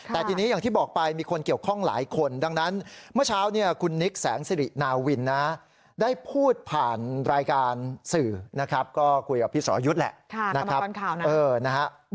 แต่ทีนี้อย่างที่บอกไปมีคนเกี่ยวข้องหลายคนดังนั้นเมื่อเช้าเนี่ยคุณนิกแสงสิรินาวินนะได้พูดผ่านรายการสื่อนะครับก็คุยกับพี่สอยุทธ์แหละนะครับ